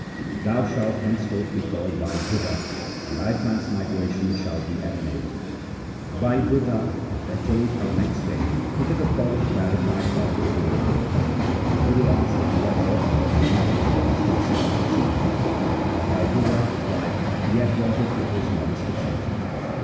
Thou shalt henceforth be called Bhai Budha, and thy transmigration shall be at an end.' Bhai Budha then told how next day he took a pot of clarified butter to Guru Nanak. The Guru asked if he had brought the offering with his mother's consent or secretly. Bhai Budha replied he had brought it with his mother's consent.